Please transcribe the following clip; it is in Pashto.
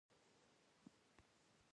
زحمت بېثمره نه پاتې کېږي.